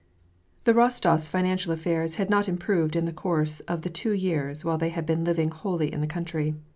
The Bostofs' financial affairs had not improved in the course of the two years while they had been living wholly in the country.